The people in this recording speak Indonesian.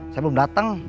saya belum datang